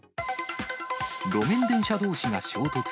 路面電車どうしが衝突。